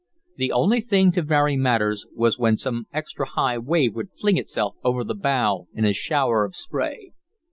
The only thing to vary matters was when some extra high wave would fling itself over the bow in a shower of spray.